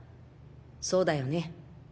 そうだよね？